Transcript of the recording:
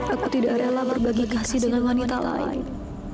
aku tidak rela berbagi kasih dengan wanita lain